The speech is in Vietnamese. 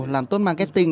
làm tốt marketing